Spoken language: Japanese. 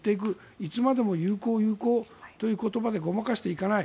いつまでも友好、友好という言葉でごまかしていかない。